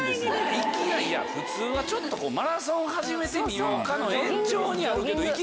普通はちょっとマラソン始めてみようかの延長にあるけど。